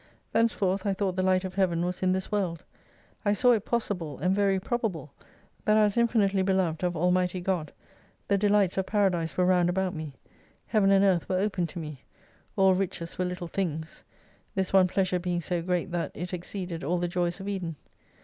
Thenceforth I thought the Light of Heaven was in this world : I saw it possible, and very probable, that I was infinitely beloved of Almighty God, the delights of Paradise were round about me, Heaven and Earth were open to me, all riches were little things ; this one pleasure being so great that it exceeded all the joys of Eden.